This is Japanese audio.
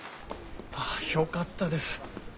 ああよかったです。